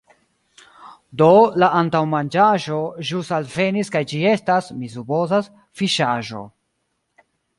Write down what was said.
Do, la antaŭmanĝaĵo ĵus alvenis kaj ĝi estas, mi supozas, fiŝaĵo.